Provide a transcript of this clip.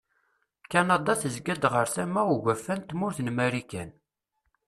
Kanada tezga-d ɣer tama ugafa n tmurt n Marikan.